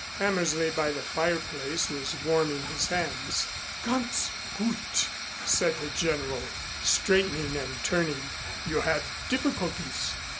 Hammersley by the fireplace was warming his hands. "Ganz gut!" said the General, straightening and turning. "You had difficulties?"